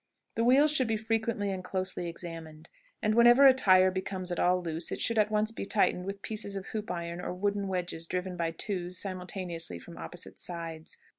The wheels should be frequently and closely examined, and whenever a tire becomes at all loose it should at once be tightened with pieces of hoop iron or wooden wedges driven by twos simultaneously from opposite sides.